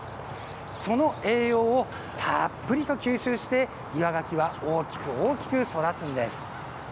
その栄養をたっぷりと吸収して、岩がきは大きく大きく育つんです。